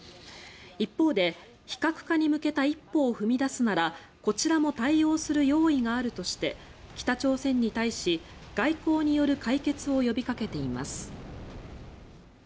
一方で非核化に向けた一歩を踏み出すならこちらも対応する用意があるとして北朝鮮に対し、外交による解決を呼びかけています。